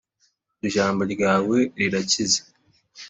ijambo rya we rirakiza.